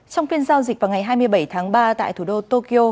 trong phiên giao dịch vào ngày hai mươi bảy tháng ba tại thủ đô tokyo